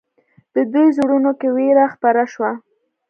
د دوی زړونو کې وېره خپره شوه.